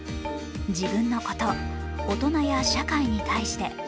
自分のこと、大人や社会に対して。